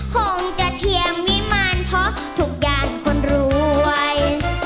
คงจะเทียมวิมารเพราะทุกอย่างคนรวย